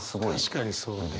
確かにそうね。